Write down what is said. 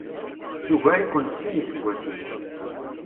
Tugar-iken s sin iseggasen.